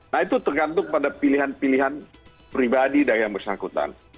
nah itu tergantung pada pilihan pilihan pribadi dari yang bersangkutan